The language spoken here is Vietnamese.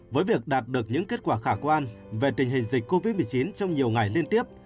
với việc đạt được những kết quả khả quan về tình hình dịch covid một mươi chín trong nhiều ngày liên tiếp